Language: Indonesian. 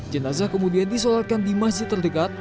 jenazah kemudian disolatkan di masjid terdekat